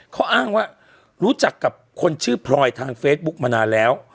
เขาอ้างว่ารู้จักกับคนชื่อพลอยทางเฟซบุ๊กมานานแล้ว